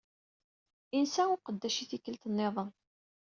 Insa uqeddac i tikkelt-nniḍen.